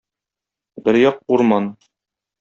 Бер як - урман.